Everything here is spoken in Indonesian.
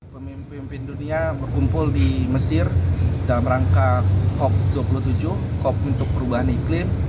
pemimpin pemimpin dunia berkumpul di mesir dalam rangka cop dua puluh tujuh cop untuk perubahan iklim